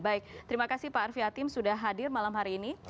baik terima kasih pak arfi hatim sudah hadir malam hari ini